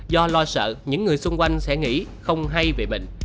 do lo sợ những người xung quanh sẽ nghĩ không hay về bệnh